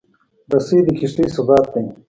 رسۍ د کښتۍ ثبات دی.